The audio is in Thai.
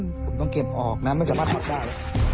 ผมต้องเก็บออกนะไม่สามารถทำได้